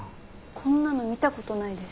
こんなの見た事ないです。